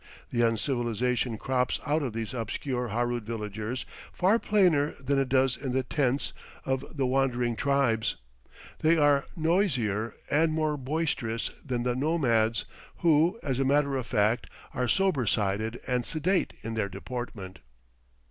The uncivilization crops out of these obscure Harood villagers far plainer than it does in the tents of the wandering tribes. They are noisier and more boisterous than the nomads, who, as a matter of fact, are sober sided and sedate in their deportment.